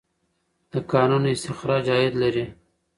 د کانونو استخراج عاید لري.